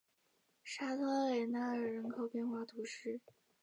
沙托雷纳尔人口变化图示